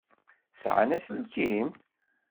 Sεan aselkim?